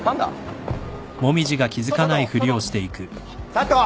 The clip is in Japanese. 佐藤！